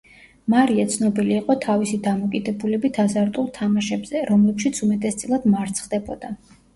მარია ცნობილი იყო თავისი დამოკიდებულებით აზარტულ თამაშებზე, რომლებშიც უმეტესწილად მარცხდებოდა.